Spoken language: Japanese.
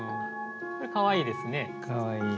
これかわいいですね。